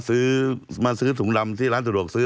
ซื้อมาซื้อถุงดำที่ร้านสะดวกซื้อ